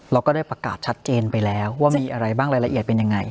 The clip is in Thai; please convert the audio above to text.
เราก็ได้ประกาศชัดเจนไปแล้วว่ามีอะไรบ้างรายละเอียดเป็นยังไง